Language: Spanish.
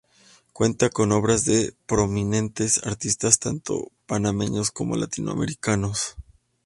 Cuenta con obras de prominentes artistas, tanto panameños como latinoamericanos.